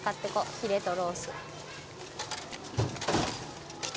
ヒレとロース。来た。